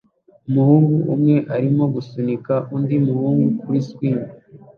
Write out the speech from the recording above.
Umuhungu umwe arimo gusunika undi muhungu kuri swing